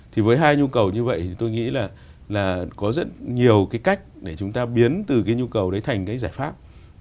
thì với hai nhu cầu như vậy thì tôi nghĩ là có rất nhiều cái cách để chúng ta biến từ cái nhu cầu đấy thành cái giải pháp